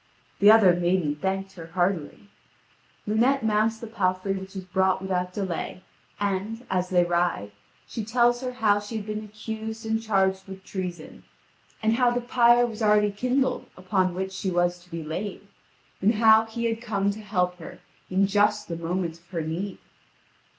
The other maiden thanked her heartily. Lunete mounts the palfrey which is brought without delay, and, as they ride, she tells her how she had been accused and charged with treason, and how the pyre was already kindled upon which she was to be laid, and how he had come to help her in just the moment of her need.